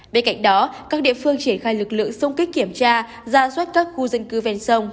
bên cạnh đó các địa phương triển khai lực lượng xung kích kiểm tra ra soát các khu dân cư ven sông